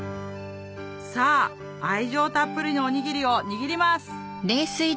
さぁ愛情たっぷりのおにぎりを握ります